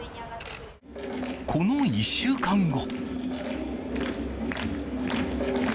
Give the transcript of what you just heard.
この１週間後。